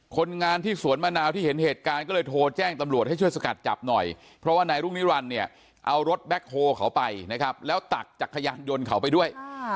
คนงานที่สวนมะนาวที่เห็นเหตุการณ์ก็เลยโทรแจ้งตำรวจให้ช่วยสกัดจับหน่อยเพราะว่านายรุ่งนิรันดิ์เนี่ยเอารถแบ็คโฮลเขาไปนะครับแล้วตักจักรยานยนต์เขาไปด้วย